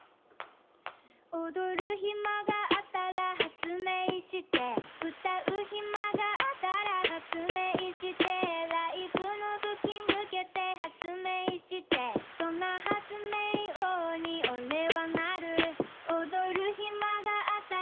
「踊る暇があったら発明してえ」「歌う暇があったら発明してえ」「ライブのブッキング蹴って発明してえ」「そんな発明王にオレはなる」「踊る暇があったら」